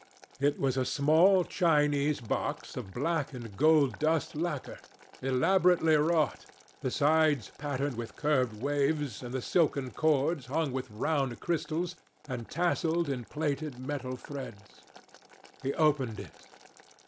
It was a small Chinese box of black and gold dust lacquer, elaborately wrought, the sides patterned with curved waves, and the silken cords hung with round crystals and tasselled in plaited metal threads. He opened it.